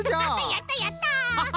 やったやった！